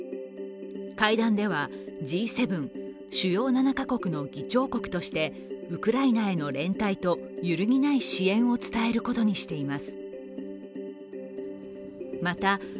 会談ではＧ７＝主要７か国の議長国としてウクライナへの連帯と揺るぎない支援を伝えることにしています。